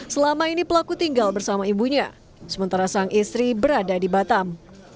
selama ini pelaku tinggal bersama ibunya sementara sang istri berada di batam